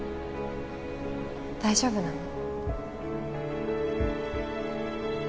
大丈夫なの？